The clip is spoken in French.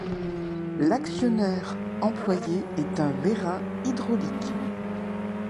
L'actionneur employé est un vérin hydraulique.